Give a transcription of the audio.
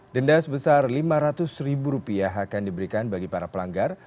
denda sebesar lima ratus ribu rupiah akan diberikan bagi para pelanggar